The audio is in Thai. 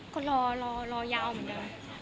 คือรอรอยาวเหมือนเดิม